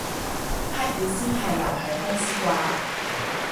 黑雨先係留喺公司啩